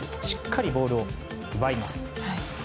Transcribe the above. しっかりボールを奪います。